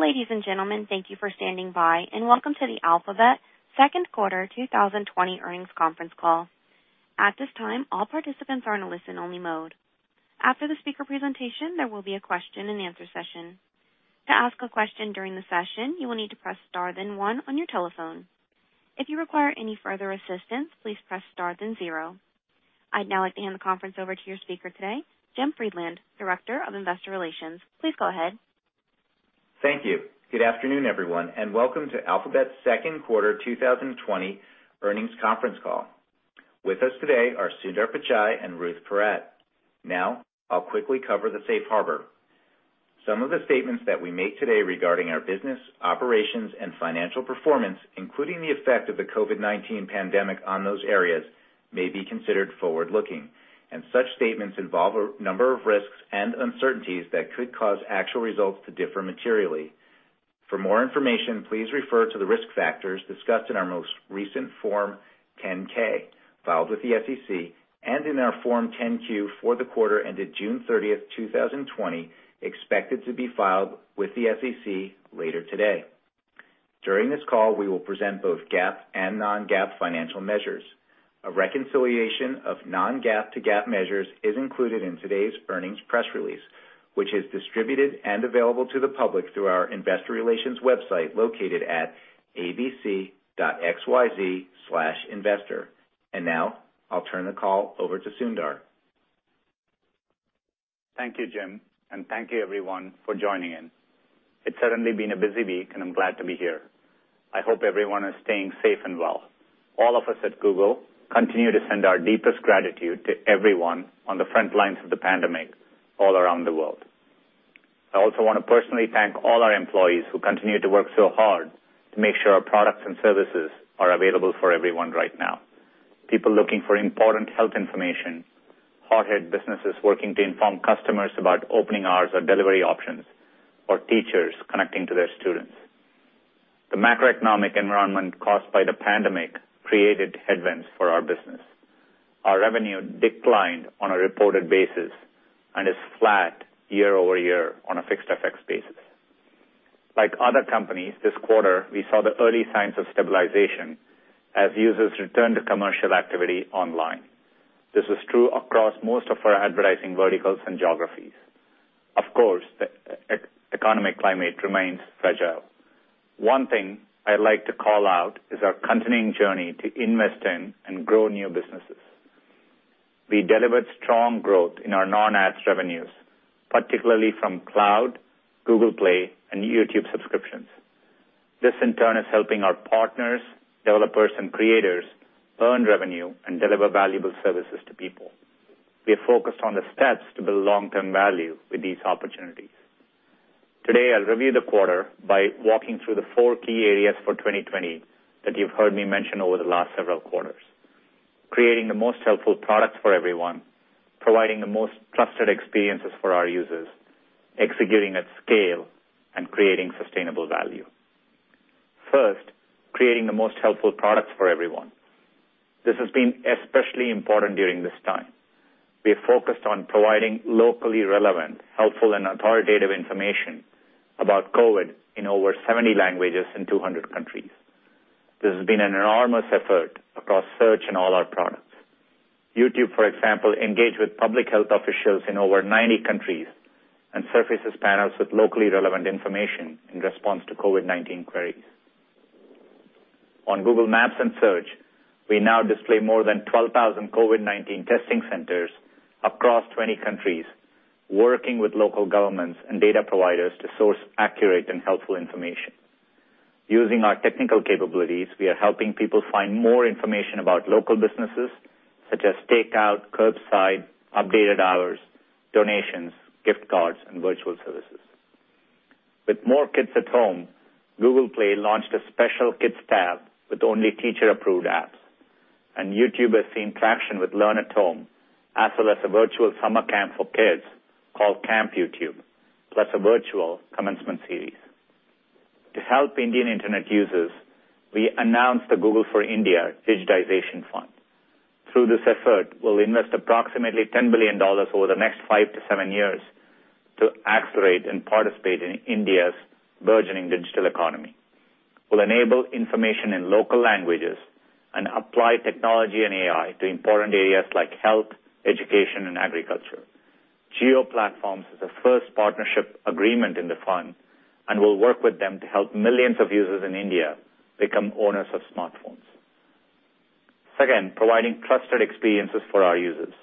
Ladies and gentlemen, thank you for standing by, and welcome to the Alphabet Second Quarter 2020 Earnings Conference Call. At this time, all participants are in a listen-only mode. After the speaker presentation, there will be a question-and-answer session. To ask a question during the session, you will need to press star then one on your telephone. If you require any further assistance, please press star then zero. I'd now like to hand the conference over to your speaker today, Jim Friedland, Director of Investor Relations. Please go ahead. Thank you. Good afternoon, everyone, and welcome to Alphabet Second Quarter 2020 Earnings Conference Call. With us today are Sundar Pichai and Ruth Porat. Now, I'll quickly cover the safe harbor. Some of the statements that we make today regarding our business operations and financial performance, including the effect of the COVID-19 pandemic on those areas, may be considered forward-looking, and such statements involve a number of risks and uncertainties that could cause actual results to differ materially. For more information, please refer to the risk factors discussed in our most recent Form 10-K filed with the SEC and in our Form 10-Q for the quarter ended June 30, 2020, expected to be filed with the SEC later today. During this call, we will present both GAAP and non-GAAP financial measures. A reconciliation of non-GAAP to GAAP measures is included in today's earnings press release, which is distributed and available to the public through our investor relations website located at abc.xyz/investor, and now I'll turn the call over to Sundar. Thank you, Jim, and thank you, everyone, for joining in. It's certainly been a busy week, and I'm glad to be here. I hope everyone is staying safe and well. All of us at Google continue to send our deepest gratitude to everyone on the front lines of the pandemic all around the world. I also want to personally thank all our employees who continue to work so hard to make sure our products and services are available for everyone right now. People looking for important health information, hard-hit businesses working to inform customers about opening hours or delivery options, or teachers connecting to their students. The macroeconomic environment caused by the pandemic created headwinds for our business. Our revenue declined on a reported basis and is flat year over year on a constant currency basis. Like other companies, this quarter, we saw the early signs of stabilization as users returned to commercial activity online. This was true across most of our advertising verticals and geographies. Of course, the economic climate remains fragile. One thing I'd like to call out is our continuing journey to invest in and grow new businesses. We delivered strong growth in our non-Ads revenues, particularly from Cloud, Google Play, and YouTube subscriptions. This, in turn, is helping our partners, developers, and creators earn revenue and deliver valuable services to people. We are focused on the steps to build long-term value with these opportunities. Today, I'll review the quarter by walking through the four key areas for 2020 that you've heard me mention over the last several quarters: creating the most helpful products for everyone, providing the most trusted experiences for our users, executing at scale, and creating sustainable value. First, creating the most helpful products for everyone. This has been especially important during this time. We have focused on providing locally relevant, helpful, and authoritative information about COVID in over 70 languages in 200 countries. This has been an enormous effort across Search and all our products. YouTube, for example, engaged with public health officials in over 90 countries and surfaces panels with locally relevant information in response to COVID-19 queries. On Google Maps and Search, we now display more than 12,000 COVID-19 testing centers across 20 countries, working with local governments and data providers to source accurate and helpful information. Using our technical capabilities, we are helping people find more information about local businesses, such as takeout, curbside, updated hours, donations, gift cards, and virtual services. With more kids at home, Google Play launched a special kids' tab with only teacher-approved apps, and YouTube has seen traction with Learn at Home, as well as a virtual summer camp for kids called Camp YouTube, plus a virtual commencement series. To help Indian internet users, we announced the Google for India Digitization Fund. Through this effort, we'll invest approximately $10 billion over the next five to seven years to accelerate and participate in India's burgeoning digital economy. We'll enable information in local languages and apply technology and AI to important areas like health, education, and agriculture. Jio Platforms is the first partnership agreement in the fund, and we'll work with them to help millions of users in India become owners of smartphones. Second, providing trusted experiences for our users.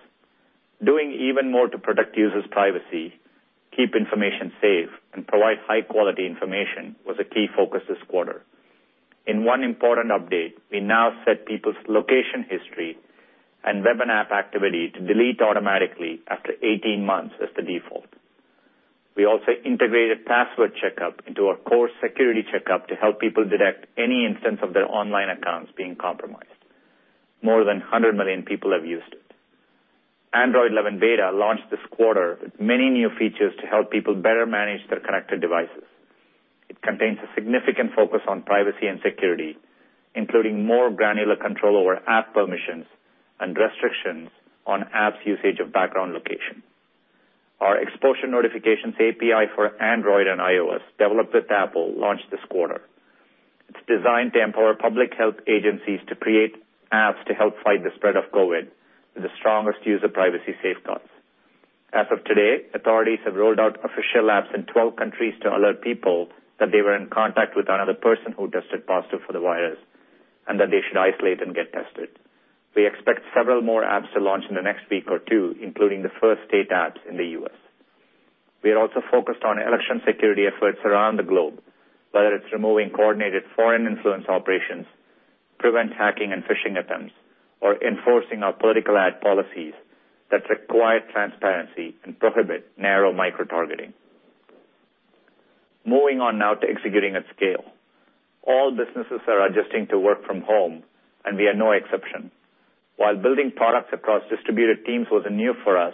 Doing even more to protect users' privacy, keep information safe, and provide high-quality information was a key focus this quarter. In one important update, we now set people's location history and web and app activity to delete automatically after 18 months as the default. We also integrated Password Checkup into our core Security Checkup to help people detect any instance of their online accounts being compromised. More than 100 million people have used it. Android 11 Beta launched this quarter with many new features to help people better manage their connected devices. It contains a significant focus on privacy and security, including more granular control over app permissions and restrictions on apps' usage of background location. Our Exposure Notifications API for Android and iOS, developed with Apple, launched this quarter. It's designed to empower public health agencies to create apps to help fight the spread of COVID with the strongest user privacy safeguards. As of today, authorities have rolled out official apps in 12 countries to alert people that they were in contact with another person who tested positive for the virus and that they should isolate and get tested. We expect several more apps to launch in the next week or two, including the first state apps in the U.S. We are also focused on election security efforts around the globe, whether it's removing coordinated foreign influence operations, prevent hacking and phishing attempts, or enforcing our political ad policies that require transparency and prohibit narrow micro-targeting. Moving on now to executing at scale. All businesses are adjusting to work from home, and we are no exception. While building products across distributed teams was new for us,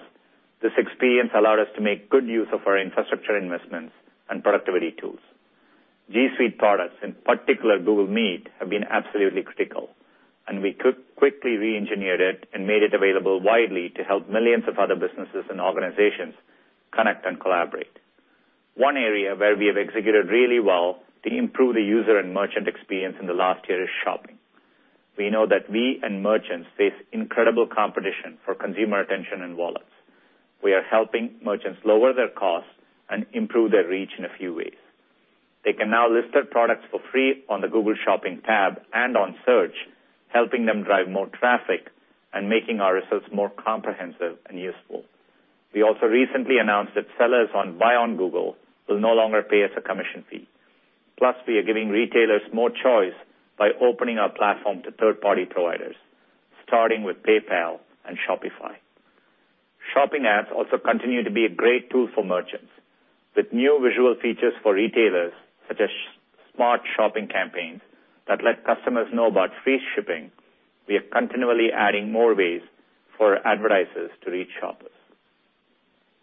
this experience allowed us to make good use of our infrastructure investments and productivity tools. G Suite products, in particular Google Meet, have been absolutely critical, and we quickly re-engineered it and made it available widely to help millions of other businesses and organizations connect and collaborate. One area where we have executed really well to improve the user and merchant experience in the last year is shopping. We know that we and merchants face incredible competition for consumer attention and wallets. We are helping merchants lower their costs and improve their reach in a few ways. They can now list their products for free on the Google Shopping tab and on Search, helping them drive more traffic and making our results more comprehensive and useful. We also recently announced that sellers on Buy on Google will no longer pay us a commission fee. Plus, we are giving retailers more choice by opening our platform to third-party providers, starting with PayPal and Shopify. Shopping ads also continue to be a great tool for merchants. With new visual features for retailers, such as Smart Shopping Campaigns that let customers know about free shipping, we are continually adding more ways for advertisers to reach shoppers.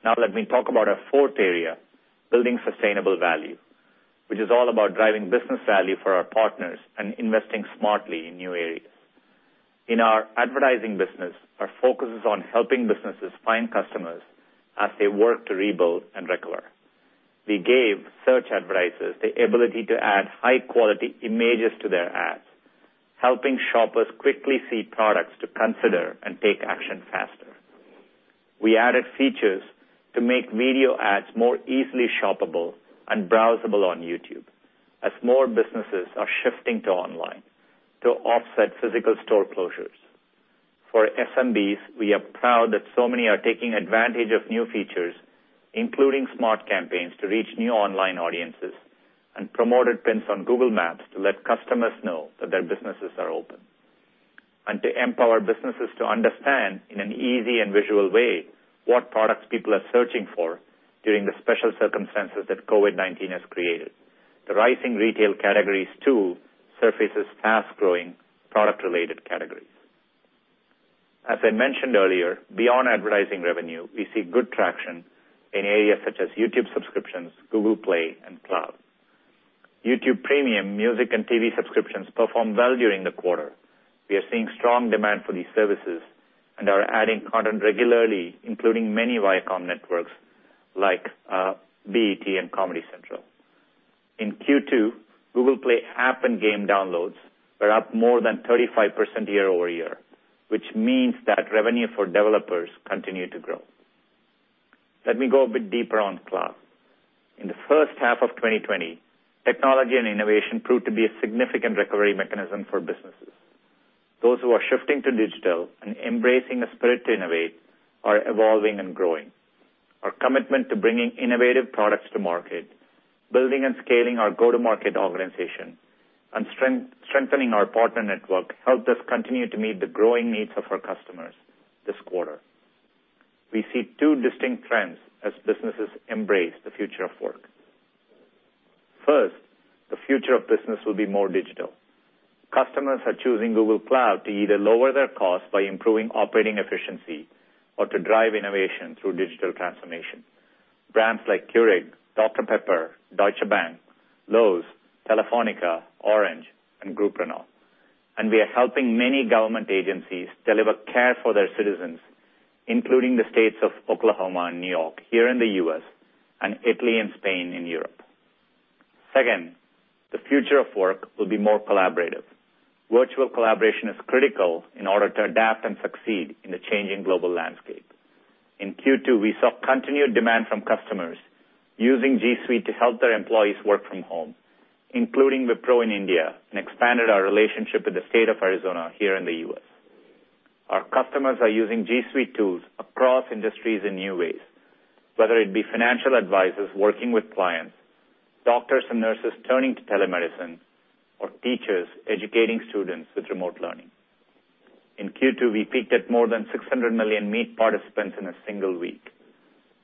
Now, let me talk about our fourth area, building sustainable value, which is all about driving business value for our partners and investing smartly in new areas. In our advertising business, our focus is on helping businesses find customers as they work to rebuild and recover. We gave Search advertisers the ability to add high-quality images to their ads, helping shoppers quickly see products to consider and take action faster. We added features to make video ads more easily shoppable and browsable on YouTube as more businesses are shifting to online to offset physical store closures. For SMBs, we are proud that so many are taking advantage of new features, including Smart campaigns to reach new online audiences and Promoted Pins on Google Maps to let customers know that their businesses are open, and to empower businesses to understand in an easy and visual way what products people are searching for during the special circumstances that COVID-19 has created. The rising retail categories, too, surface as fast-growing product-related categories. As I mentioned earlier, beyond advertising revenue, we see good traction in areas such as YouTube subscriptions, Google Play, and Cloud. YouTube Premium music and TV subscriptions performed well during the quarter. We are seeing strong demand for these services and are adding content regularly, including many Viacom networks like BET and Comedy Central. In Q2, Google Play app and game downloads were up more than 35% year over year, which means that revenue for developers continued to grow. Let me go a bit deeper on Cloud. In the first half of 2020, technology and innovation proved to be a significant recovery mechanism for businesses. Those who are shifting to digital and embracing a spirit to innovate are evolving and growing. Our commitment to bringing innovative products to market, building and scaling our go-to-market organization, and strengthening our partner network helped us continue to meet the growing needs of our customers this quarter. We see two distinct trends as businesses embrace the future of work. First, the future of business will be more digital. Customers are choosing Google Cloud to either lower their costs by improving operating efficiency or to drive innovation through digital transformation. Brands like Keurig Dr Pepper, Deutsche Bank, Lowe's, Telefónica, Orange, and Groupon are, and we are helping many government agencies deliver care for their citizens, including the states of Oklahoma and New York here in the U.S. and Italy and Spain in Europe. Second, the future of work will be more collaborative. Virtual collaboration is critical in order to adapt and succeed in the changing global landscape. In Q2, we saw continued demand from customers using G Suite to help their employees work from home, including with Wipro in India and expanded our relationship with the state of Arizona here in the U.S. Our customers are using G Suite tools across industries in new ways, whether it be financial advisors working with clients, doctors and nurses turning to telemedicine, or teachers educating students with remote learning. In Q2, we peaked at more than 600 million Meet participants in a single week.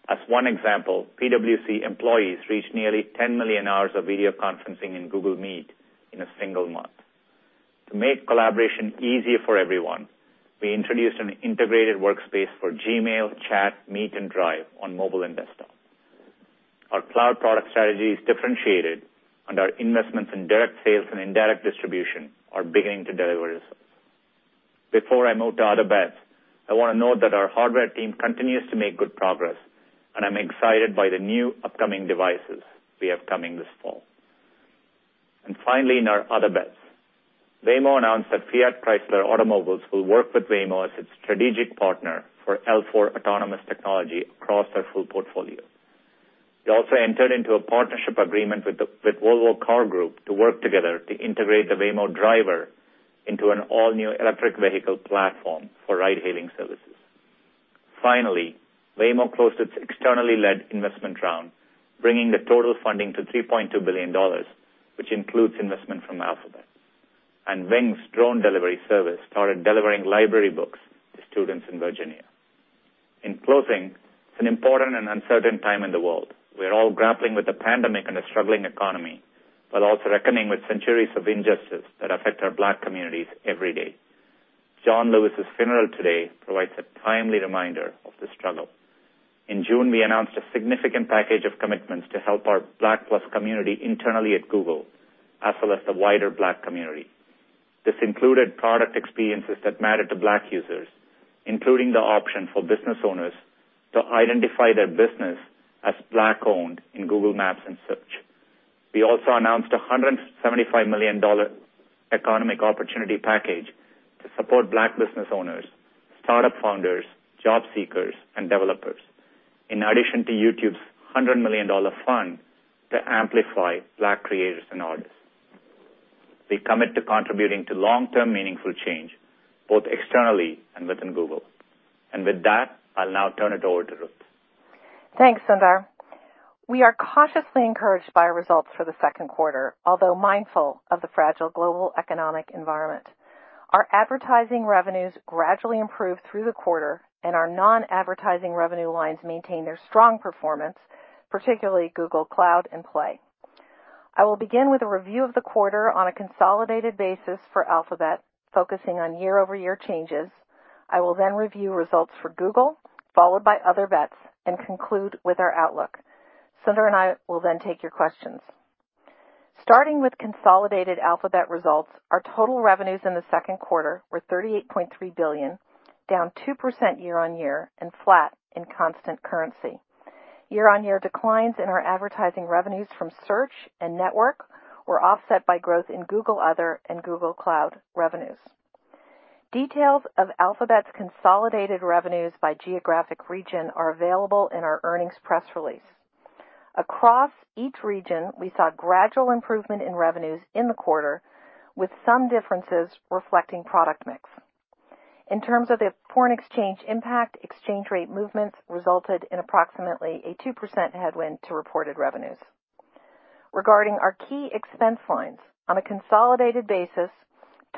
As one example, PwC employees reached nearly 10 million hours of video conferencing in Google Meet in a single month. To make collaboration easier for everyone, we introduced an integrated workspace for Gmail, Chat, Meet, and Drive on mobile and desktop. Our Cloud product strategy is differentiated, and our investments in direct sales and indirect distribution are beginning to deliver results. Before I move to Other Bets, I want to note that our hardware team continues to make good progress, and I'm excited by the new upcoming devices we have coming this fall. And finally, in our Other Bets, Waymo announced that Fiat Chrysler Automobiles will work with Waymo as its strategic partner for L4 autonomous technology across their full portfolio. We also entered into a partnership agreement with Volvo Car Group to work together to integrate the Waymo Driver into an all-new electric vehicle platform for ride-hailing services. Finally, Waymo closed its externally-led investment round, bringing the total funding to $3.2 billion, which includes investment from Alphabet, and Wing's drone delivery service started delivering library books to students in Virginia. In closing, it's an important and uncertain time in the world. We are all grappling with the pandemic and a struggling economy, but also reckoning with centuries of injustice that affect our Black communities every day. John Lewis' funeral today provides a timely reminder of the struggle. In June, we announced a significant package of commitments to help our Black+ community internally at Google, as well as the wider Black community. This included product experiences that matter to Black users, including the option for business owners to identify their business as Black-owned in Google Maps and Search. We also announced a $175 million economic opportunity package to support Black business owners, startup founders, job seekers, and developers, in addition to YouTube's $100 million fund to amplify Black creators and artists. We commit to long-term meaningful change, both externally and within Google. With that, I'll now turn it over to Ruth. Thanks, Sundar. We are cautiously encouraged by our results for the second quarter, although mindful of the fragile global economic environment. Our advertising revenues gradually improved through the quarter, and our non-advertising revenue lines maintained their strong performance, particularly Google Cloud and Play. I will begin with a review of the quarter on a consolidated basis for Alphabet, focusing on year-over-year changes. I will then review results for Google, followed by Other Bets, and conclude with our outlook. Sundar and I will then take your questions. Starting with consolidated Alphabet results, our total revenues in the second quarter were $38.3 billion, down 2% year on year and flat in constant currency. Year-on-year declines in our advertising revenues from Search and Network were offset by growth in Google Other and Google Cloud revenues. Details of Alphabet's consolidated revenues by geographic region are available in our earnings press release. Across each region, we saw gradual improvement in revenues in the quarter, with some differences reflecting product mix. In terms of the foreign exchange impact, exchange rate movements resulted in approximately a 2% headwind to reported revenues. Regarding our key expense lines, on a consolidated basis,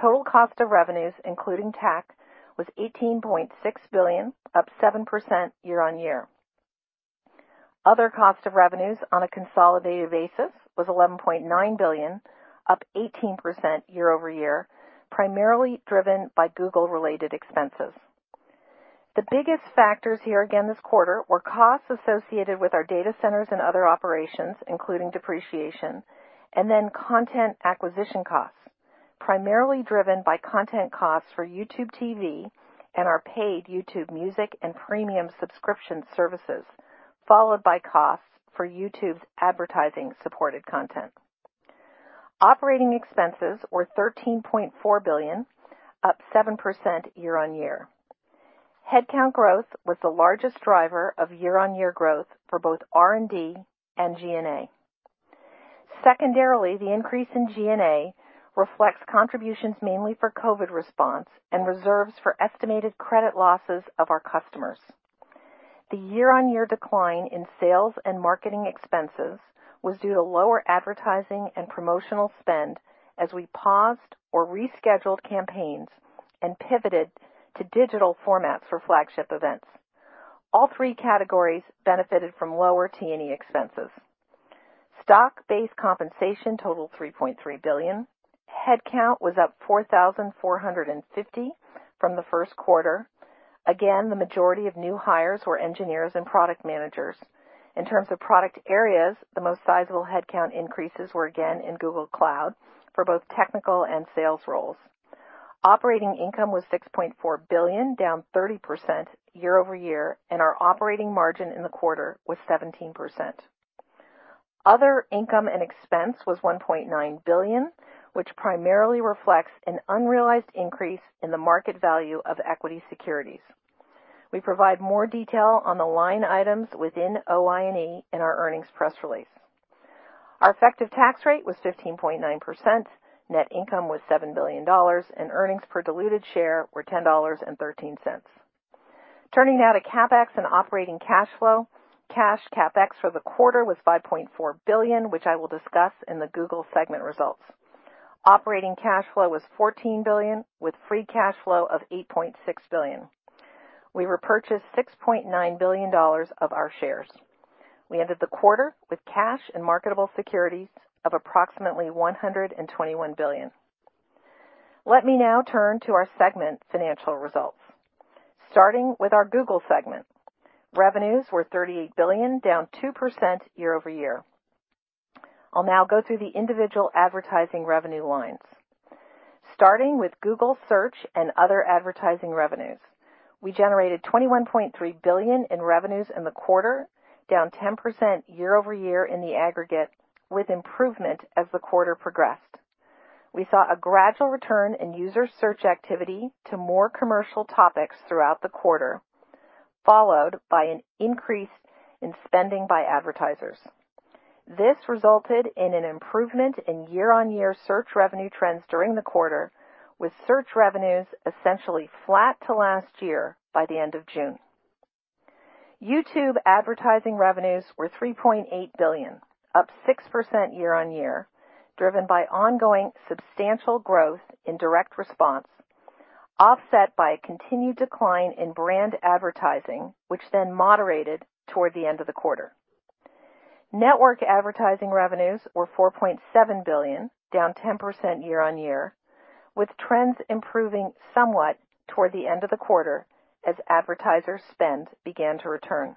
total cost of revenues, including tax, was $18.6 billion, up 7% year on year. Other cost of revenues on a consolidated basis was $11.9 billion, up 18% year over year, primarily driven by Google-related expenses. The biggest factors here again this quarter were costs associated with our data centers and other operations, including depreciation, and then content acquisition costs, primarily driven by content costs for YouTube TV and our paid YouTube Music and Premium subscription services, followed by costs for YouTube's advertising-supported content. Operating expenses were $13.4 billion, up 7% year on year. Headcount growth was the largest driver of year-on-year growth for both R&D and G&A. Secondarily, the increase in G&A reflects contributions mainly for COVID response and reserves for estimated credit losses of our customers. The year-on-year decline in sales and marketing expenses was due to lower advertising and promotional spend as we paused or rescheduled campaigns and pivoted to digital formats for flagship events. All three categories benefited from lower T&E expenses. Stock-based compensation totaled $3.3 billion. Headcount was up 4,450 from the first quarter. Again, the majority of new hires were engineers and product managers. In terms of product areas, the most sizable headcount increases were again in Google Cloud for both technical and sales roles. Operating income was $6.4 billion, down 30% year over year, and our operating margin in the quarter was 17%. Other income and expense was $1.9 billion, which primarily reflects an unrealized increase in the market value of equity securities. We provide more detail on the line items within OI&E in our earnings press release. Our effective tax rate was 15.9%. Net income was $7 billion, and earnings per diluted share were $10.13. Turning now to CapEx and operating cash flow, cash CapEx for the quarter was $5.4 billion, which I will discuss in the Google segment results. Operating cash flow was $14 billion, with free cash flow of $8.6 billion. We repurchased $6.9 billion of our shares. We ended the quarter with cash and marketable securities of approximately $121 billion. Let me now turn to our segment financial results. Starting with our Google segment, revenues were $38 billion, down 2% year over year. I'll now go through the individual advertising revenue lines. Starting with Google Search and other advertising revenues, we generated $21.3 billion in revenues in the quarter, down 10% year over year in the aggregate, with improvement as the quarter progressed. We saw a gradual return in user search activity to more commercial topics throughout the quarter, followed by an increase in spending by advertisers. This resulted in an improvement in year-on-year search revenue trends during the quarter, with search revenues essentially flat to last year by the end of June. YouTube advertising revenues were $3.8 billion, up 6% year on year, driven by ongoing substantial growth in direct response, offset by a continued decline in brand advertising, which then moderated toward the end of the quarter. Network advertising revenues were $4.7 billion, down 10% year on year, with trends improving somewhat toward the end of the quarter as advertiser spend began to return.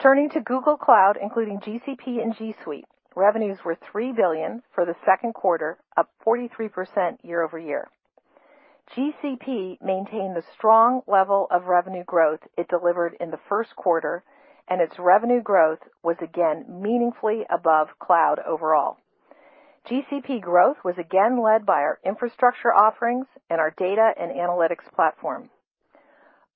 Turning to Google Cloud, including GCP and G Suite, revenues were $3 billion for the second quarter, up 43% year over year. GCP maintained the strong level of revenue growth it delivered in the first quarter, and its revenue growth was again meaningfully above Cloud overall. GCP growth was again led by our infrastructure offerings and our data and analytics platform.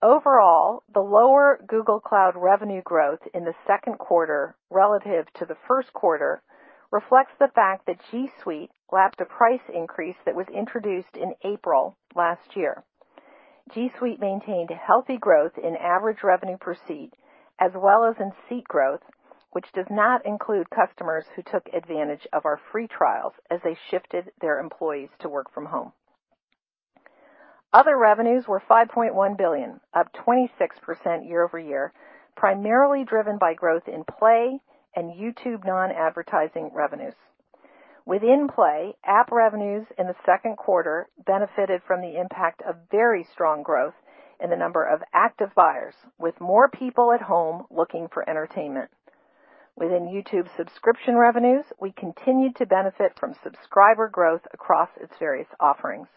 Overall, the lower Google Cloud revenue growth in the second quarter relative to the first quarter reflects the fact that G Suite lapped a price increase that was introduced in April last year. G Suite maintained healthy growth in average revenue per seat as well as in seat growth, which does not include customers who took advantage of our free trials as they shifted their employees to work from home. Other revenues were $5.1 billion, up 26% year over year, primarily driven by growth in Play and YouTube non-advertising revenues. Within Play, app revenues in the second quarter benefited from the impact of very strong growth in the number of active buyers, with more people at home looking for entertainment. Within YouTube subscription revenues, we continued to benefit from subscriber growth across its various offerings.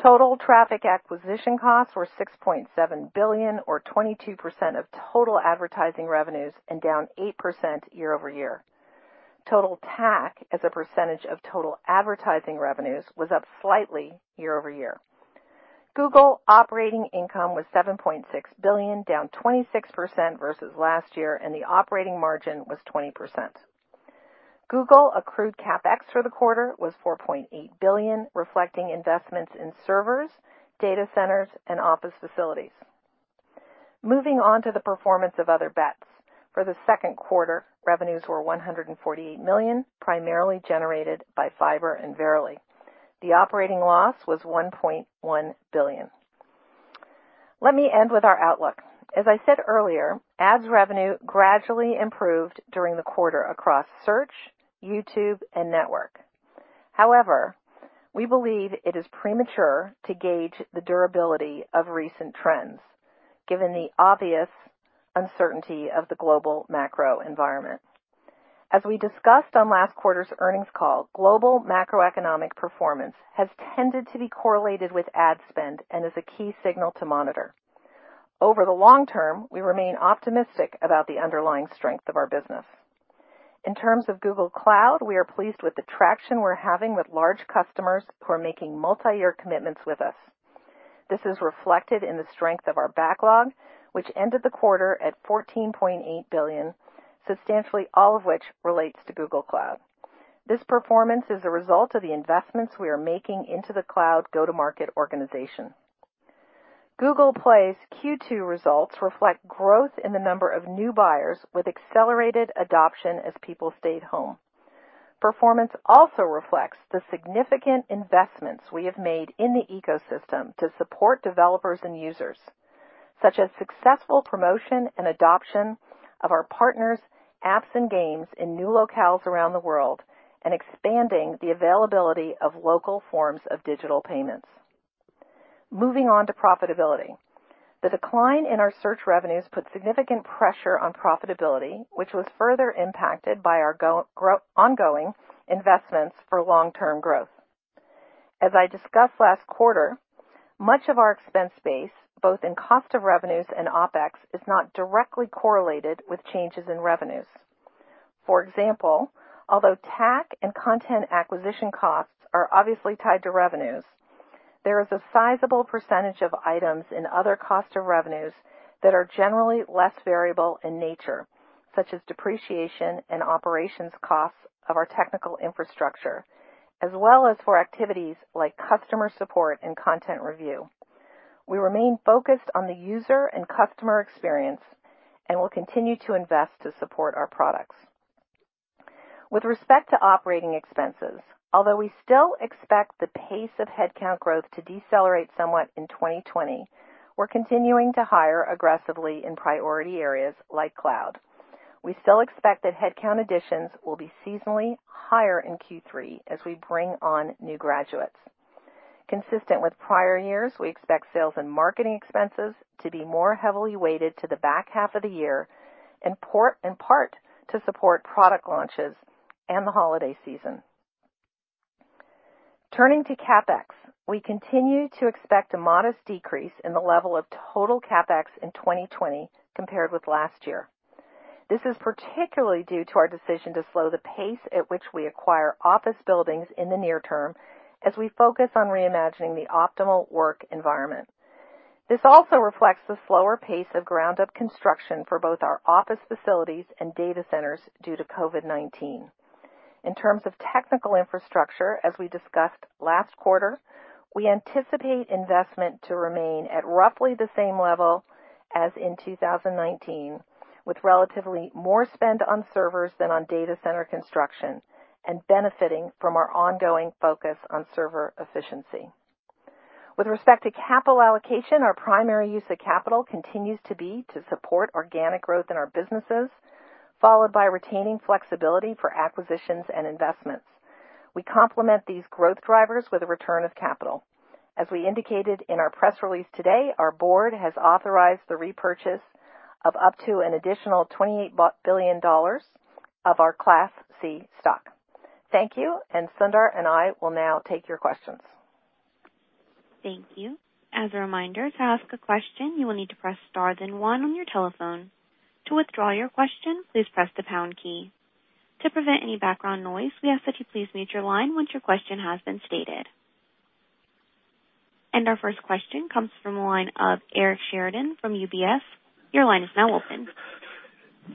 Total traffic acquisition costs were $6.7 billion, or 22% of total advertising revenues, and down 8% year over year. Total TAC, as a percentage of total advertising revenues, was up slightly year over year. Google operating income was $7.6 billion, down 26% versus last year, and the operating margin was 20%. Google accrued CapEx for the quarter was $4.8 billion, reflecting investments in servers, data centers, and office facilities. Moving on to the performance of Other Bets, for the second quarter, revenues were $148 million, primarily generated by Fiber and Verily. The operating loss was $1.1 billion. Let me end with our outlook. As I said earlier, ads revenue gradually improved during the quarter across Search, YouTube, and Network. However, we believe it is premature to gauge the durability of recent trends, given the obvious uncertainty of the global macro environment. As we discussed on last quarter's earnings call, global macroeconomic performance has tended to be correlated with ad spend and is a key signal to monitor. Over the long term, we remain optimistic about the underlying strength of our business. In terms of Google Cloud, we are pleased with the traction we're having with large customers who are making multi-year commitments with us. This is reflected in the strength of our backlog, which ended the quarter at $14.8 billion, substantially all of which relates to Google Cloud. This performance is a result of the investments we are making into the Cloud go-to-market organization. Google Play's Q2 results reflect growth in the number of new buyers with accelerated adoption as people stayed home. Performance also reflects the significant investments we have made in the ecosystem to support developers and users, such as successful promotion and adoption of our partners' apps and games in new locales around the world and expanding the availability of local forms of digital payments. Moving on to profitability. The decline in our search revenues put significant pressure on profitability, which was further impacted by our ongoing investments for long-term growth. As I discussed last quarter, much of our expense base, both in cost of revenues and OpEx, is not directly correlated with changes in revenues. For example, although TAC and content acquisition costs are obviously tied to revenues, there is a sizable percentage of items in other cost of revenues that are generally less variable in nature, such as depreciation and operations costs of our technical infrastructure, as well as for activities like customer support and content review. We remain focused on the user and customer experience and will continue to invest to support our products. With respect to operating expenses, although we still expect the pace of headcount growth to decelerate somewhat in 2020, we're continuing to hire aggressively in priority areas like Cloud. We still expect that headcount additions will be seasonally higher in Q3 as we bring on new graduates. Consistent with prior years, we expect sales and marketing expenses to be more heavily weighted to the back half of the year and partly to support product launches and the holiday season. Turning to CapEx, we continue to expect a modest decrease in the level of total CapEx in 2020 compared with last year. This is particularly due to our decision to slow the pace at which we acquire office buildings in the near term as we focus on reimagining the optimal work environment. This also reflects the slower pace of ground-up construction for both our office facilities and data centers due to COVID-19. In terms of technical infrastructure, as we discussed last quarter, we anticipate investment to remain at roughly the same level as in 2019, with relatively more spend on servers than on data center construction and benefiting from our ongoing focus on server efficiency. With respect to capital allocation, our primary use of capital continues to be to support organic growth in our businesses, followed by retaining flexibility for acquisitions and investments. We complement these growth drivers with a return of capital. As we indicated in our press release today, our board has authorized the repurchase of up to an additional $28 billion of our Class C stock. Thank you, and Sundar and I will now take your questions. Thank you. As a reminder, to ask a question, you will need to press star, then one on your telephone. To withdraw your question, please press the pound key. To prevent any background noise, we ask that you please mute your line once your question has been stated. And our first question comes from a line of Eric Sheridan from UBS. Your line is now open.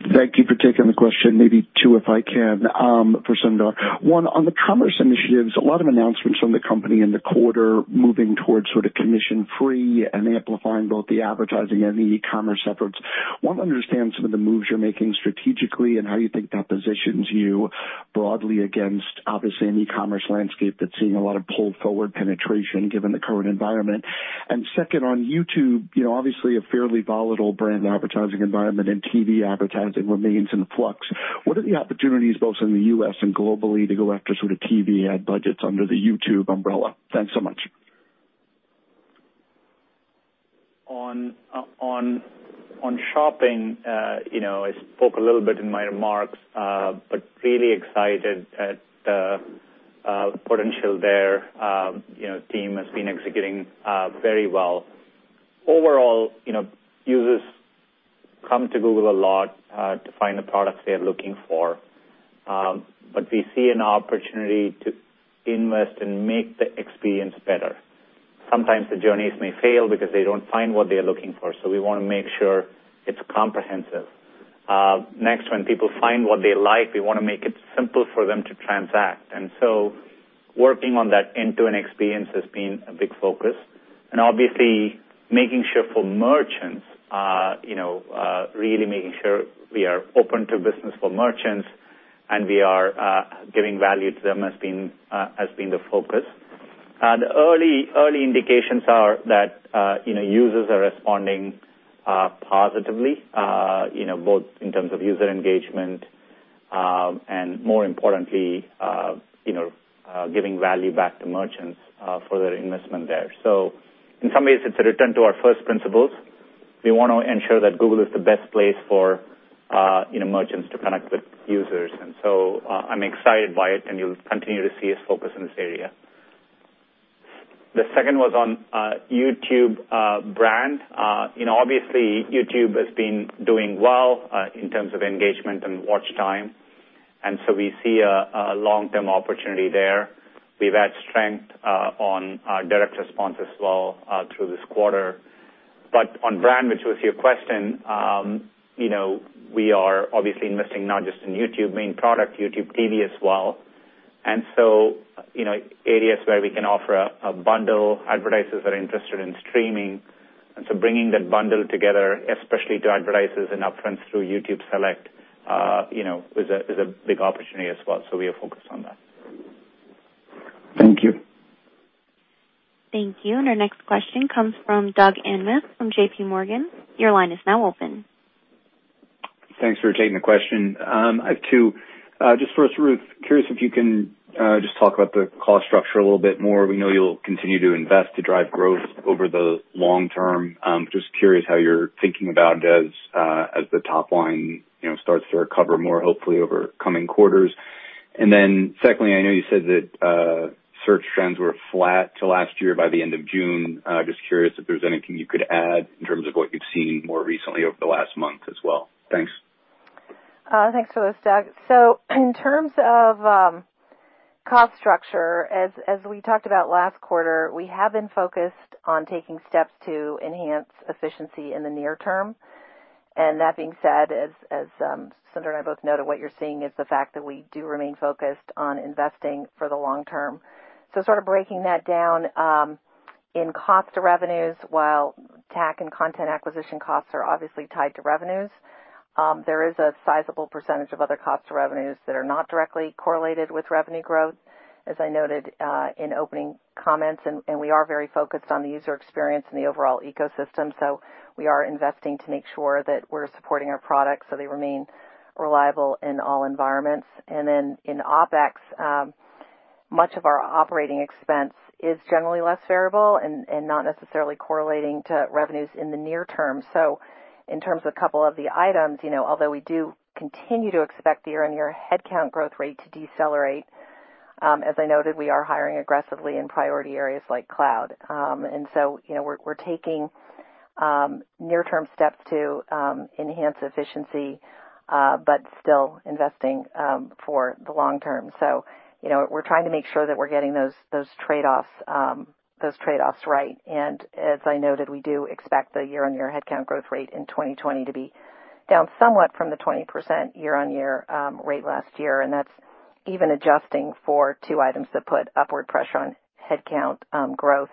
Thank you for taking the question. Maybe two, if I can, for Sundar. One, on the commerce initiatives, a lot of announcements from the company in the quarter moving towards sort of commission-free and amplifying both the advertising and the e-commerce efforts. I want to understand some of the moves you're making strategically and how you think that positions you broadly against, obviously, an e-commerce landscape that's seeing a lot of pull-forward penetration given the current environment. And second, on YouTube, obviously, a fairly volatile brand advertising environment and TV advertising remains in flux. What are the opportunities, both in the U.S. and globally, to go after sort of TV ad budgets under the YouTube umbrella? Thanks so much. On shopping, I spoke a little bit in my remarks, but really excited at the potential their team has been executing very well. Overall, users come to Google a lot to find the products they are looking for, but we see an opportunity to invest and make the experience better. Sometimes the journeys may fail because they don't find what they are looking for, so we want to make sure it's comprehensive. Next, when people find what they like, we want to make it simple for them to transact. And so working on that end-to-end experience has been a big focus. And obviously, making sure for merchants, really making sure we are open to business for merchants and we are giving value to them has been the focus. The early indications are that users are responding positively, both in terms of user engagement and, more importantly, giving value back to merchants for their investment there. So in some ways, it's a return to our first principles. We want to ensure that Google is the best place for merchants to connect with users. And so I'm excited by it, and you'll continue to see us focus in this area. The second was on YouTube brand. Obviously, YouTube has been doing well in terms of engagement and watch time, and so we see a long-term opportunity there. We've had strength on direct response as well through this quarter. But on brand, which was your question, we are obviously investing not just in YouTube main product, YouTube TV as well. And so areas where we can offer a bundle, advertisers are interested in streaming. And so bringing that bundle together, especially to advertisers and upfronts through YouTube Select, is a big opportunity as well. So we are focused on that. Thank you. Thank you. And our next question comes from Doug Anmuth from JPMorgan. Your line is now open. Thanks for taking the question. I have two. Just first, Ruth, curious if you can just talk about the cost structure a little bit more. We know you'll continue to invest to drive growth over the long term. Just curious how you're thinking about it as the top line starts to recover more, hopefully, over coming quarters. And then secondly, I know you said that search trends were flat to last year by the end of June. Just curious if there's anything you could add in terms of what you've seen more recently over the last month as well. Thanks. Thanks for this, Doug. So in terms of cost structure, as we talked about last quarter, we have been focused on taking steps to enhance efficiency in the near term. And that being said, as Sundar and I both noted, what you're seeing is the fact that we do remain focused on investing for the long term. So sort of breaking that down in cost of revenues, while TAC and content acquisition costs are obviously tied to revenues, there is a sizable percentage of other cost of revenues that are not directly correlated with revenue growth, as I noted in opening comments. We are very focused on the user experience and the overall ecosystem, so we are investing to make sure that we're supporting our products so they remain reliable in all environments. Then in OPEX, much of our operating expense is generally less variable and not necessarily correlating to revenues in the near term. In terms of a couple of the items, although we do continue to expect the year-on-year headcount growth rate to decelerate, as I noted, we are hiring aggressively in priority areas like Cloud. So we're taking near-term steps to enhance efficiency but still investing for the long term. We're trying to make sure that we're getting those trade-offs right. As I noted, we do expect the year-on-year headcount growth rate in 2020 to be down somewhat from the 20% year-on-year rate last year. That's even adjusting for two items that put upward pressure on headcount growth.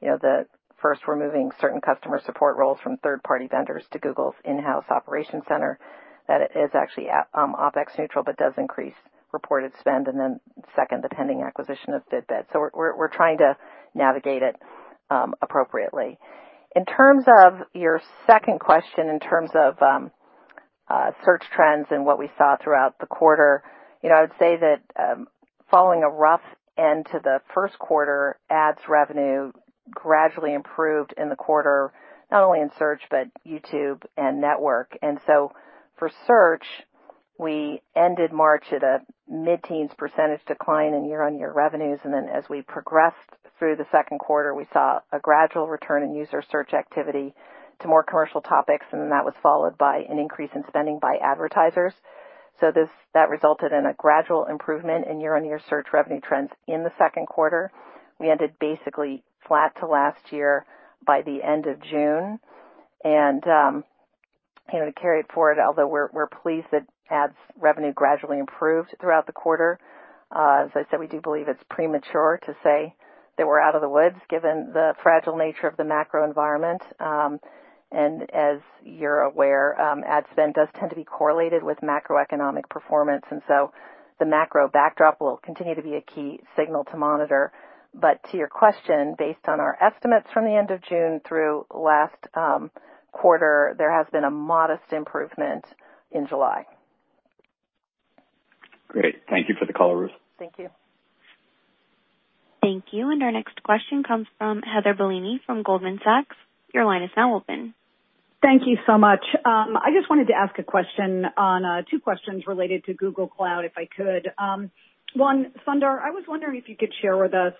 The first, removing certain customer support roles from third-party vendors to Google's in-house operations center. That is actually OPEX-neutral but does increase reported spend. Then second, the pending acquisition of Fitbit. We're trying to navigate it appropriately. In terms of your second question, in terms of search trends and what we saw throughout the quarter, I would say that following a rough end to the first quarter, ads revenue gradually improved in the quarter, not only in Search but YouTube and Network. For Search, we ended March at a mid-teens % decline in year-on-year revenues. Then as we progressed through the second quarter, we saw a gradual return in user search activity to more commercial topics, and then that was followed by an increase in spending by advertisers. So that resulted in a gradual improvement in year-on-year search revenue trends in the second quarter. We ended basically flat to last year by the end of June. And to carry it forward, although we're pleased that ads revenue gradually improved throughout the quarter, as I said, we do believe it's premature to say that we're out of the woods given the fragile nature of the macro environment. And as you're aware, ad spend does tend to be correlated with macroeconomic performance. And so the macro backdrop will continue to be a key signal to monitor. But to your question, based on our estimates from the end of June through last quarter, there has been a modest improvement in July. Great. Thank you for the call, Ruth. Thank you. Thank you. And our next question comes from Heather Bellini from Goldman Sachs. Your line is now open. Thank you so much. I just wanted to ask a question on two questions related to Google Cloud, if I could. One, Sundar, I was wondering if you could share with us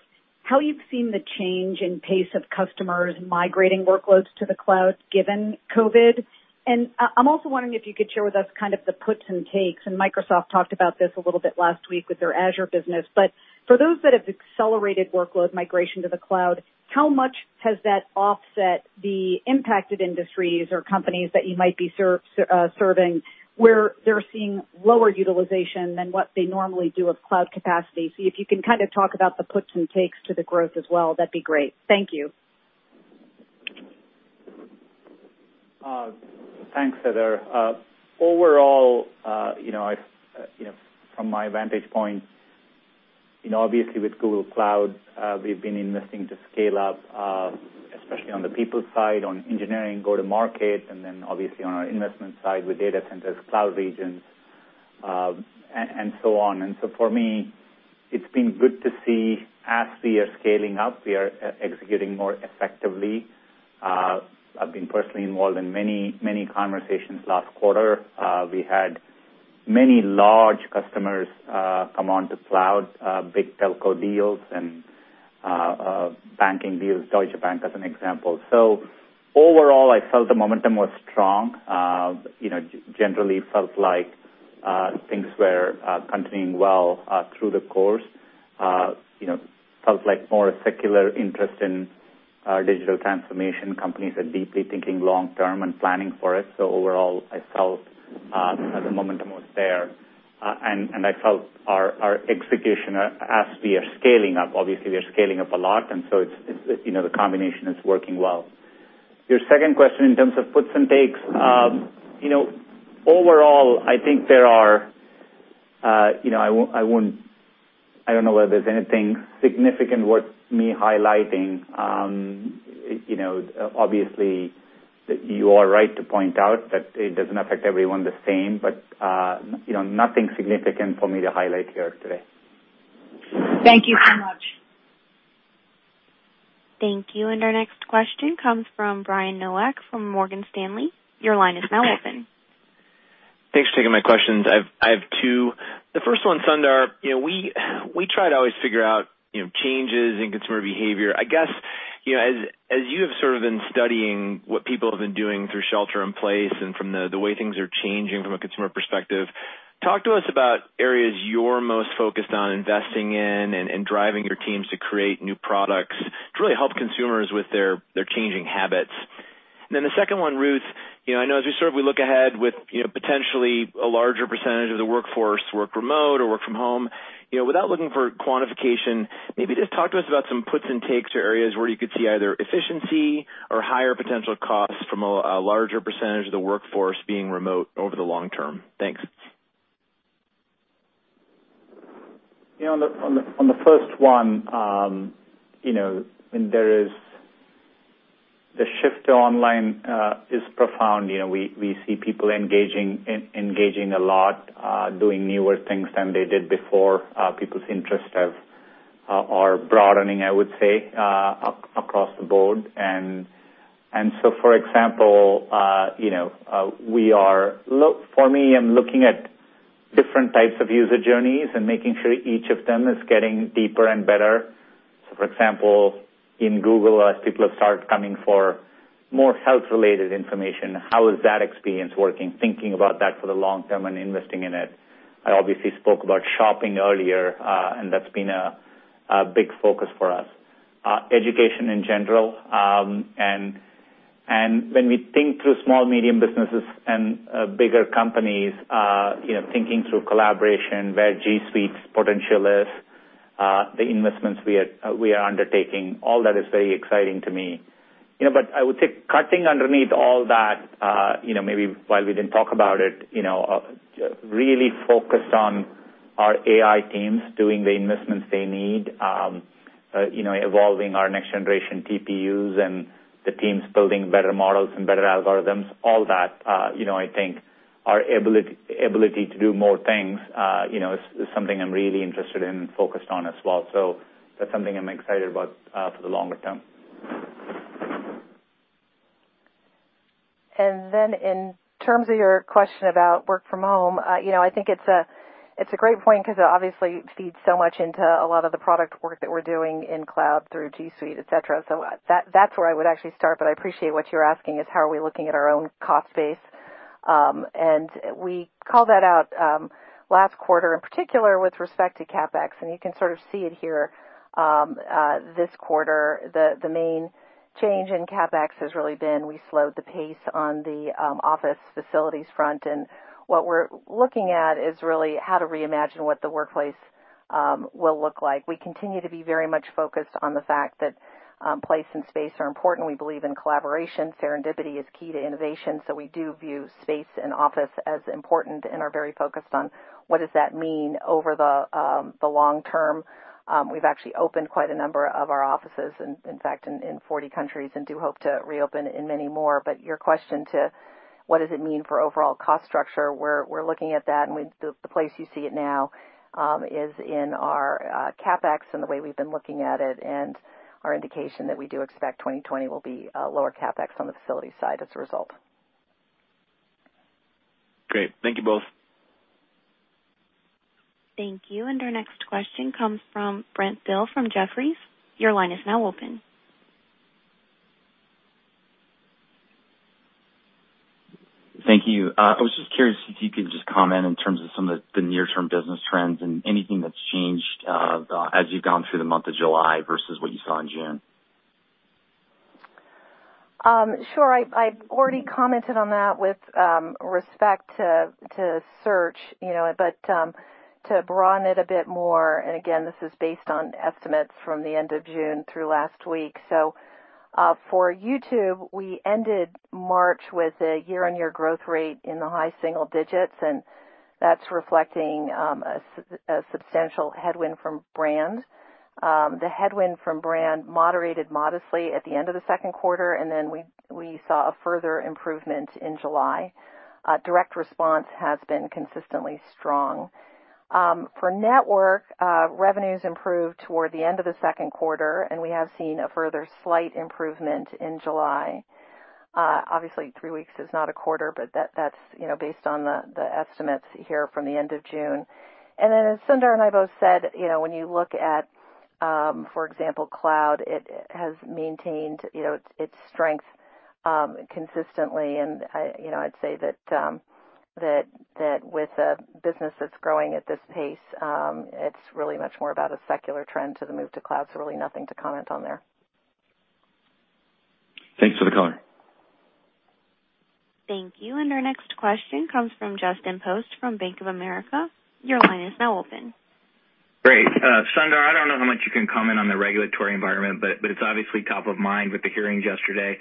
how you've seen the change in pace of customers migrating workloads to the cloud given COVID. And I'm also wondering if you could share with us kind of the puts and takes. And Microsoft talked about this a little bit last week with their Azure business. But for those that have accelerated workload migration to the cloud, how much has that offset the impacted industries or companies that you might be serving where they're seeing lower utilization than what they normally do of cloud capacity? So if you can kind of talk about the puts and takes to the growth as well, that'd be great. Thank you. Thanks, Heather. Overall, from my vantage point, obviously, with Google Cloud, we've been investing to scale up, especially on the people side, on engineering, go-to-market, and then obviously on our investment side with data centers, cloud regions, and so on. And so for me, it's been good to see as we are scaling up, we are executing more effectively. I've been personally involved in many conversations last quarter. We had many large customers come onto cloud, big telco deals, and banking deals, Deutsche Bank as an example. So overall, I felt the momentum was strong. Generally, it felt like things were continuing well through the course. It felt like more a secular interest in digital transformation. Companies are deeply thinking long term and planning for it. So overall, I felt the momentum was there. I felt our execution, as we are scaling up, obviously, we are scaling up a lot, and so the combination is working well. Your second question in terms of puts and takes, overall, I think there are. I don't know whether there's anything significant worth me highlighting. Obviously, you are right to point out that it doesn't affect everyone the same, but nothing significant for me to highlight here today. Thank you so much. Thank you. Our next question comes from Brian Nowak from Morgan Stanley. Your line is now open. Thanks for taking my questions. I have two. The first one, Sundar, we try to always figure out changes in consumer behavior. I guess as you have sort of been studying what people have been doing through shelter in place and from the way things are changing from a consumer perspective, talk to us about areas you're most focused on investing in and driving your teams to create new products to really help consumers with their changing habits. And then the second one, Ruth, I know as we sort of look ahead with potentially a larger percentage of the workforce work remote or work from home, without looking for quantification, maybe just talk to us about some puts and takes or areas where you could see either efficiency or higher potential costs from a larger percentage of the workforce being remote over the long term. Thanks. On the first one, I mean, the shift to online is profound. We see people engaging a lot, doing newer things than they did before. People's interests are broadening, I would say, across the board. And so, for example, for me, I'm looking at different types of user journeys and making sure each of them is getting deeper and better. So for example, in Google, as people have started coming for more health-related information, how is that experience working, thinking about that for the long term and investing in it? I obviously spoke about shopping earlier, and that's been a big focus for us. Education in general. And when we think through small, medium businesses and bigger companies, thinking through collaboration, where G Suite's potential is, the investments we are undertaking, all that is very exciting to me. But I would say cutting underneath all that, maybe while we didn't talk about it, really focused on our AI teams doing the investments they need, evolving our next-generation TPUs, and the teams building better models and better algorithms, all that, I think our ability to do more things is something I'm really interested in and focused on as well. So that's something I'm excited about for the longer term. And then in terms of your question about work from home, I think it's a great point because it obviously feeds so much into a lot of the product work that we're doing in cloud through G Suite, etc. So that's where I would actually start. But I appreciate what you're asking is how are we looking at our own cost base? And we called that out last quarter in particular with respect to CapEx. You can sort of see it here this quarter. The main change in CapEx has really been we slowed the pace on the office facilities front. What we're looking at is really how to reimagine what the workplace will look like. We continue to be very much focused on the fact that place and space are important. We believe in collaboration. Serendipity is key to innovation. We do view space and office as important and are very focused on what does that mean over the long term. We've actually opened quite a number of our offices, in fact, in 40 countries, and do hope to reopen in many more. Your question to what does it mean for overall cost structure, we're looking at that. And the place you see it now is in our CapEx and the way we've been looking at it and our indication that we do expect 2020 will be lower CapEx on the facility side as a result. Great. Thank you both. Thank you. And our next question comes from Brent Thill from Jefferies. Your line is now open. Thank you. I was just curious if you could just comment in terms of some of the near-term business trends and anything that's changed as you've gone through the month of July versus what you saw in June. Sure. I've already commented on that with respect to Search, but to broaden it a bit more. And again, this is based on estimates from the end of June through last week. So for YouTube, we ended March with a year-on-year growth rate in the high single digits, and that's reflecting a substantial headwind from brand. The headwind from brand moderated modestly at the end of the second quarter, and then we saw a further improvement in July. Direct response has been consistently strong. For network, revenues improved toward the end of the second quarter, and we have seen a further slight improvement in July. Obviously, three weeks is not a quarter, but that's based on the estimates here from the end of June. And then as Sundar and I both said, when you look at, for example, cloud, it has maintained its strength consistently. And I'd say that with a business that's growing at this pace, it's really much more about a secular trend to the move to cloud. So really nothing to comment on there. Thanks for the call. Thank you. And our next question comes from Justin Post from Bank of America. Your line is now open. Great. Sundar, I don't know how much you can comment on the regulatory environment, but it's obviously top of mind with the hearings yesterday.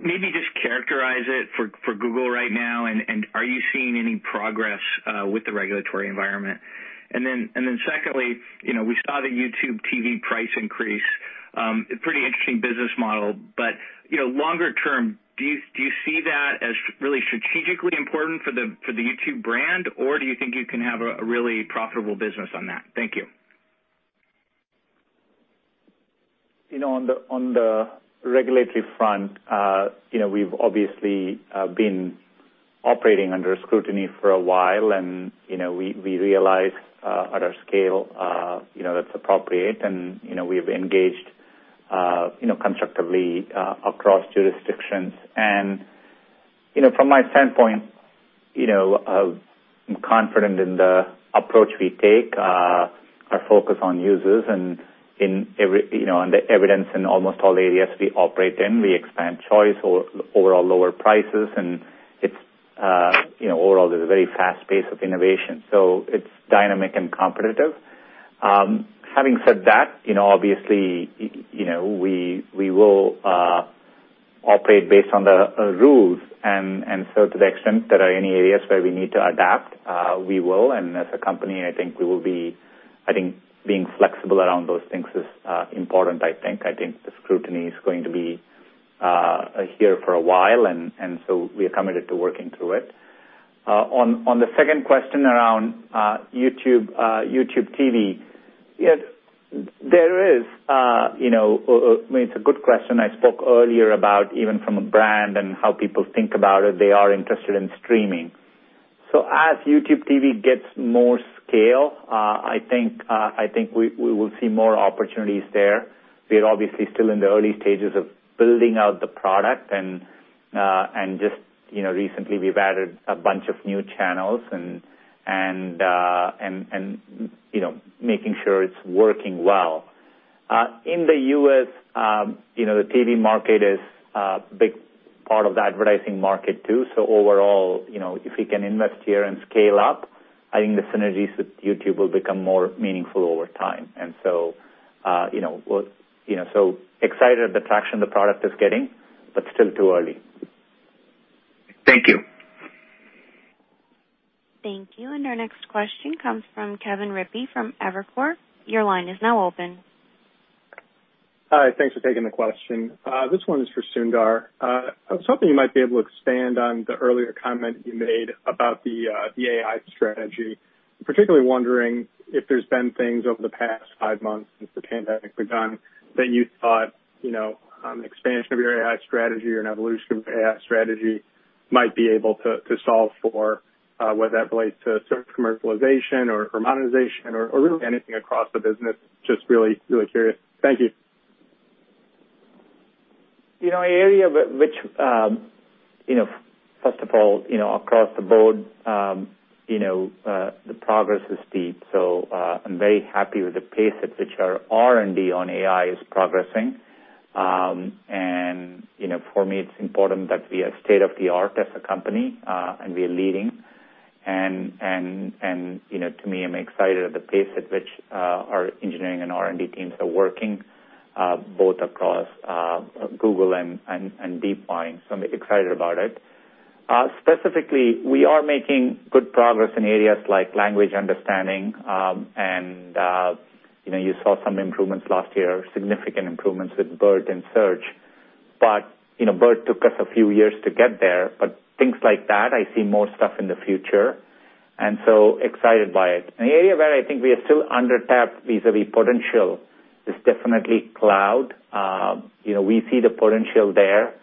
Maybe just characterize it for Google right now, and are you seeing any progress with the regulatory environment? And then secondly, we saw the YouTube TV price increase. Pretty interesting business model. But longer term, do you see that as really strategically important for the YouTube brand, or do you think you can have a really profitable business on that? Thank you. On the regulatory front, we've obviously been operating under scrutiny for a while, and we realize at our scale that's appropriate, and we've engaged constructively across jurisdictions. From my standpoint, I'm confident in the approach we take, our focus on users, and on the evidence in almost all areas we operate in. We expand choice or overall lower prices, and overall, there's a very fast pace of innovation. It's dynamic and competitive. Having said that, obviously, we will operate based on the rules. To the extent there are any areas where we need to adapt, we will. As a company, I think we will be. I think being flexible around those things is important, I think. I think the scrutiny is going to be here for a while, and so we are committed to working through it. On the second question around YouTube TV, there is. I mean, it's a good question. I spoke earlier about even from a brand and how people think about it. They are interested in streaming. So as YouTube TV gets more scale, I think we will see more opportunities there. We are obviously still in the early stages of building out the product, and just recently, we've added a bunch of new channels and making sure it's working well. In the U.S., the TV market is a big part of the advertising market too. So overall, if we can invest here and scale up, I think the synergies with YouTube will become more meaningful over time. And so we're so excited at the traction the product is getting, but still too early. Thank you. Thank you. And our next question comes from Kevin Rippey from Evercore. Your line is now open. Hi. Thanks for taking the question. This one is for Sundar. I was hoping you might be able to expand on the earlier comment you made about the AI strategy. I'm particularly wondering if there's been things over the past five months since the pandemic begun that you thought an expansion of your AI strategy or an evolution of your AI strategy might be able to solve for, whether that relates to commercialization or modernization or really anything across the business. Just really, really curious. Thank you. The area which, first of all, across the board, the progress is steep. So I'm very happy with the pace at which our R&D on AI is progressing. And for me, it's important that we are state-of-the-art as a company, and we are leading. And to me, I'm excited at the pace at which our engineering and R&D teams are working both across Google and DeepMind. So I'm excited about it. Specifically, we are making good progress in areas like language understanding, and you saw some improvements last year, significant improvements with BERT and Search. But BERT took us a few years to get there. But things like that, I see more stuff in the future. And so excited by it. An area where I think we are still undertapped vis-à-vis potential is definitely cloud. We see the potential there,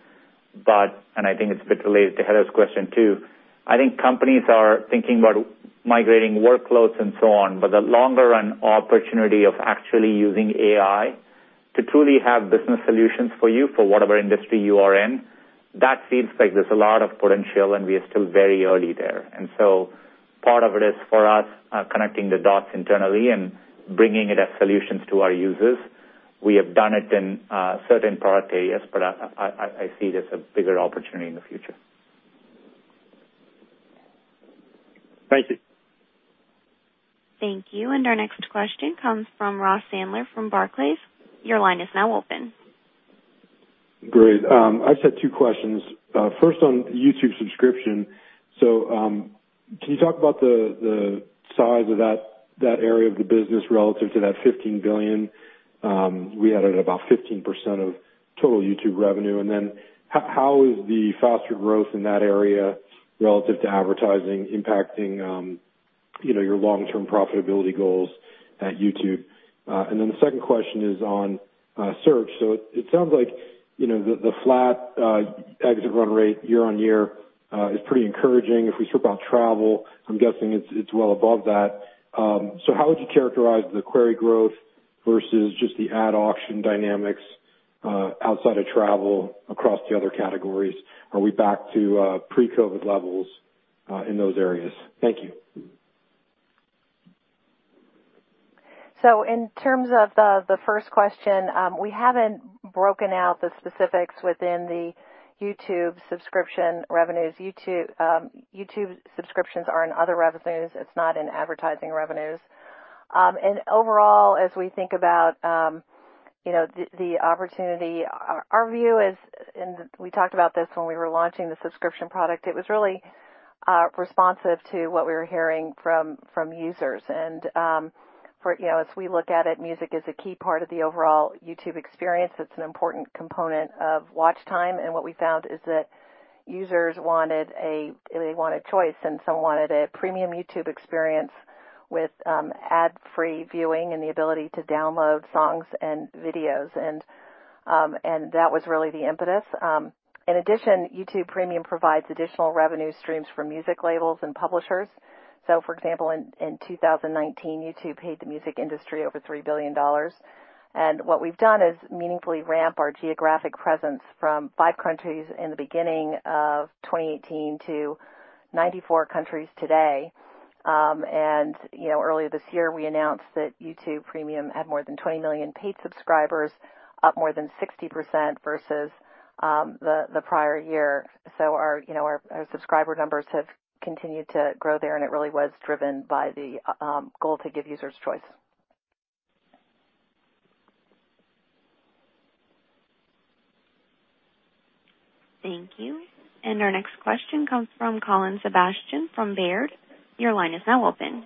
but, and I think it's a bit related to Heather's question too, I think companies are thinking about migrating workloads and so on. But the longer-run opportunity of actually using AI to truly have business solutions for you for whatever industry you are in, that feels like there's a lot of potential, and we are still very early there. And so part of it is for us connecting the dots internally and bringing it as solutions to our users. We have done it in certain product areas, but I see it as a bigger opportunity in the future. Thank you. Thank you. And our next question comes from Ross Sandler from Barclays. Your line is now open. Great. I've got two questions. First, on YouTube subscription. So can you talk about the size of that area of the business relative to that $15 billion? We had about 15% of total YouTube revenue. And then how is the faster growth in that area relative to advertising impacting your long-term profitability goals at YouTube? And then the second question is on Search. So it sounds like the flat exit run rate year-on-year is pretty encouraging. If we talk about travel, I'm guessing it's well above that. So how would you characterize the query growth versus just the ad auction dynamics outside of travel across the other categories? Are we back to pre-COVID levels in those areas? Thank you. So in terms of the first question, we haven't broken out the specifics within the YouTube subscription revenues. YouTube subscriptions are in other revenues. It's not in advertising revenues. And overall, as we think about the opportunity, our view is (and we talked about this when we were launching the subscription product) it was really responsive to what we were hearing from users. And as we look at it, music is a key part of the overall YouTube experience. It's an important component of watch time. And what we found is that users wanted a—they wanted choice, and some wanted a premium YouTube experience with ad-free viewing and the ability to download songs and videos. And that was really the impetus. In addition, YouTube Premium provides additional revenue streams for music labels and publishers. So for example, in 2019, YouTube paid the music industry over $3 billion. And what we've done is meaningfully ramp our geographic presence from five countries in the beginning of 2018 to 94 countries today. And earlier this year, we announced that YouTube Premium had more than 20 million paid subscribers, up more than 60% versus the prior year. So our subscriber numbers have continued to grow there, and it really was driven by the goal to give users choice. Thank you. And our next question comes from Colin Sebastian from Baird. Your line is now open.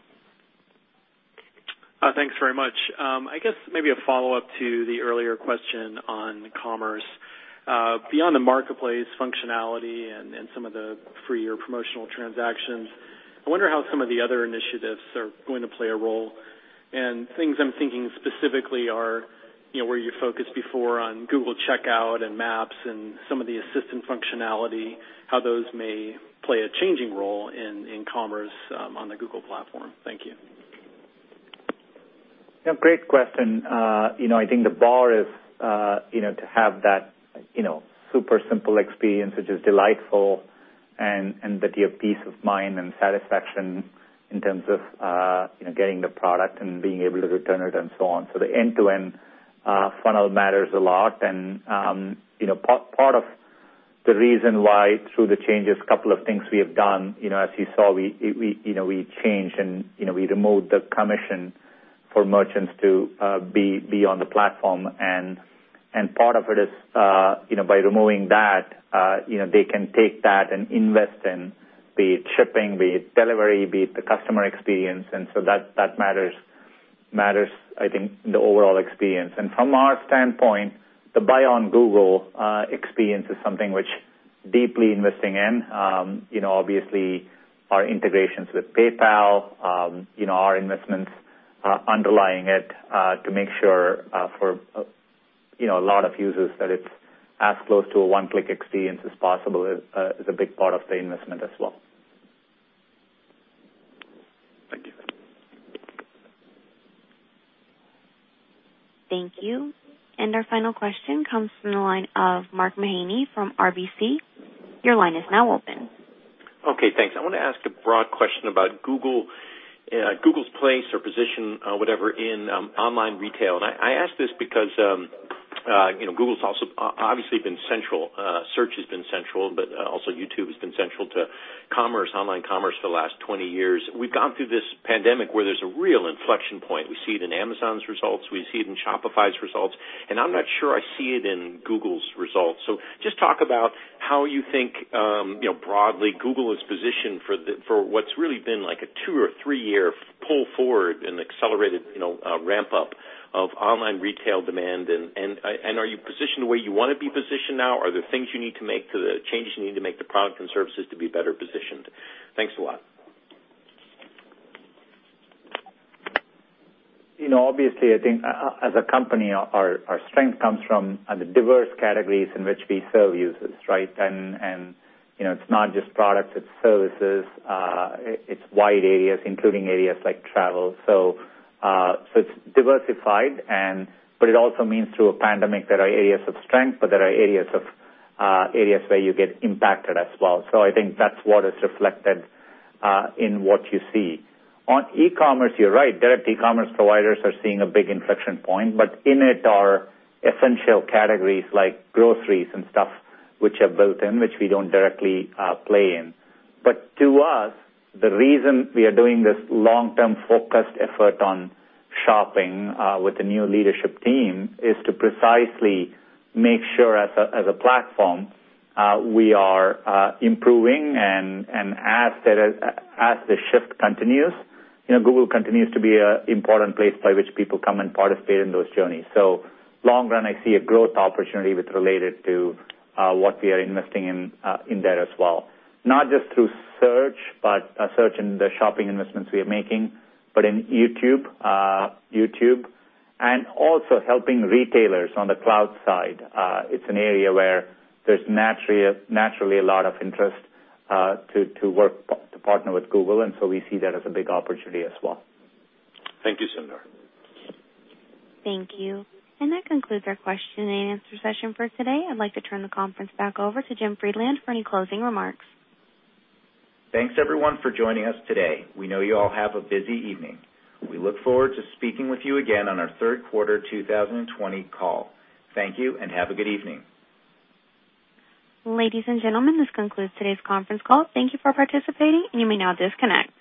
Thanks very much. I guess maybe a follow-up to the earlier question on commerce. Beyond the marketplace functionality and some of the free or promotional transactions, I wonder how some of the other initiatives are going to play a role. And things I'm thinking specifically are where you focused before on Google Checkout and Maps and some of the assistant functionality, how those may play a changing role in commerce on the Google platform. Thank you. Great question. I think the bar is to have that super simple experience, which is delightful, and that you have peace of mind and satisfaction in terms of getting the product and being able to return it and so on. So the end-to-end funnel matters a lot. And part of the reason why through the changes, a couple of things we have done. As you saw, we changed and we removed the commission for merchants to be on the platform. And part of it is by removing that, they can take that and invest in be it shipping, be it delivery, be it the customer experience. And so that matters, I think, in the overall experience. From our standpoint, the Buy on Google experience is something which we're deeply investing in. Obviously, our integrations with PayPal, our investments underlying it to make sure for a lot of users that it's as close to a one-click experience as possible is a big part of the investment as well. Thank you. Thank you. Our final question comes from the line of Mark Mahaney from RBC. Your line is now open. Okay. Thanks. I want to ask a broad question about Google's place or position, whatever, in online retail. I ask this because Google's also obviously been central. Search has been central, but also YouTube has been central to commerce, online commerce for the last 20 years. We've gone through this pandemic where there's a real inflection point. We see it in Amazon's results. We see it in Shopify's results, and I'm not sure I see it in Google's results. Just talk about how you think broadly Google is positioned for what's really been like a two- or three-year pull forward and accelerated ramp-up of online retail demand. Are you positioned the way you want to be positioned now? Are there changes you need to make to the product and services to be better positioned? Thanks a lot. Obviously, I think as a company, our strength comes from the diverse categories in which we serve users, right? And it's not just products. It's services. It's wide areas, including areas like travel. So it's diversified, but it also means through a pandemic there are areas of strength, but there are areas where you get impacted as well. So I think that's what is reflected in what you see. On e-commerce, you're right. Direct e-commerce providers are seeing a big inflection point, but in it are essential categories like groceries and stuff which are built in, which we don't directly play in. But to us, the reason we are doing this long-term focused effort on shopping with the new leadership team is to precisely make sure as a platform we are improving. And as the shift continues, Google continues to be an important place by which people come and participate in those journeys. So long run, I see a growth opportunity related to what we are investing in there as well. Not just through search, but search and the shopping investments we are making, but in YouTube and also helping retailers on the cloud side. It's an area where there's naturally a lot of interest to partner with Google. And so we see that as a big opportunity as well. Thank you, Sundar. Thank you. And that concludes our question and answer session for today. I'd like to turn the conference back over to Jim Friedland for any closing remarks. Thanks, everyone, for joining us today. We know you all have a busy evening. We look forward to speaking with you again on our third quarter 2020 call. Thank you, and have a good evening. Ladies and gentlemen, this concludes today's conference call. Thank you for participating, and you may now disconnect.